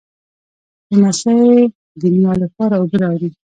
لمسی د نیا لپاره اوبه راوړي.